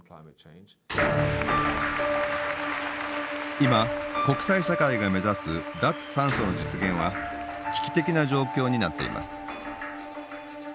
今国際社会が目指す脱炭素の実現は危機的な状況になっています。